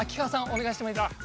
お願いしてもいいですか？